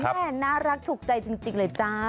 น่ารักถูกใจจริงเลยจ้า